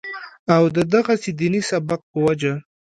او دغسې د ديني سبق پۀ وجه